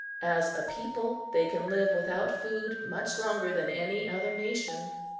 As a people, they can live without food much longer than any other nation.